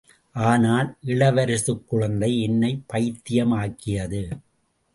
ஆனால், இளவரசுக் குழந்தை என்னைப் பைத்தியமாக்கியது.